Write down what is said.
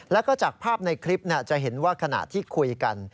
แล้วก็จากภาพในคลิปจะเห็นว่าขณะที่คุยกัน